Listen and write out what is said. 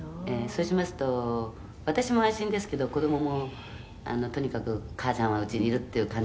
「そうしますと私も安心ですけど子どももとにかく母ちゃんはうちにいるっていう感じですからね」